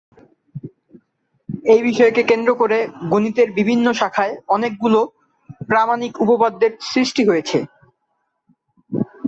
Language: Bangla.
এই বিষয়কে কেন্দ্র করে গণিতের বিভিন্ন শাখায় অনেকগুলো প্রামাণিক উপপাদ্যের সৃষ্টি হয়েছে।